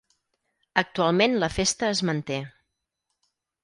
Actualment la festa es manté.